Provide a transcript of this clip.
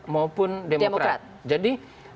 maupun demokrat jadi